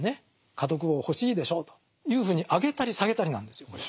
家督を欲しいでしょうというふうに上げたり下げたりなんですよこれ。